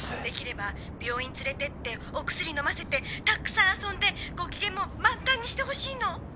できれば病院連れてってお薬飲ませてたくさん遊んでご機嫌も満タンにしてほしいの。